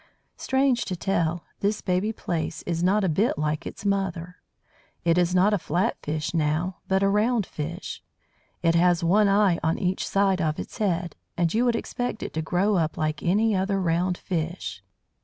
Strange to tell, this baby Plaice is not a bit like its mother. It is not a flat fish now, but a "round" fish. It has one eye on each side of its head, and you would expect it to grow up like any other round fish.